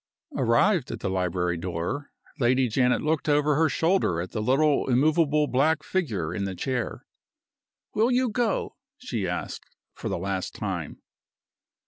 Arrived at the library door, Lady Janet looked over her shoulder at the little immovable black figure in the chair. "Will you go?" she asked, for the last time.